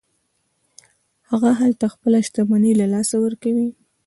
هغه هلته خپله شتمني له لاسه ورکوي.